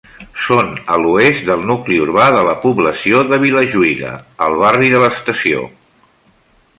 Són a l'oest del nucli urbà de la població de Vilajuïga, al barri de l'Estació.